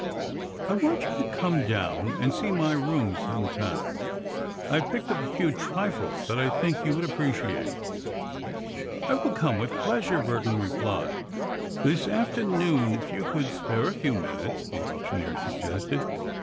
I want you to come down and see my rooms sometime. I have picked up a few trifles that I think you would appreciate." "I will come with pleasure," Burton replied. "This afternoon, if you could spare a few minutes?" the auctioneer suggested.